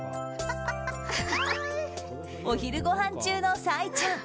お昼ごはん中のサイちゃん。